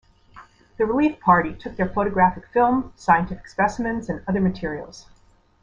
The relief party took their photographic film, scientific specimens, and other materials.